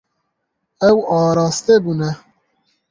Ew araste bûne.